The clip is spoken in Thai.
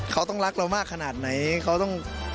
เขาต้องรักเรามากขนาดไหน